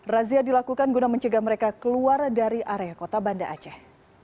razia dilakukan guna mencegah mereka keluar dari area kota banda aceh